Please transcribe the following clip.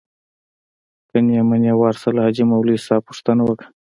که نې منې ورسه له حاجي مولوي څخه پوښتنه وکه.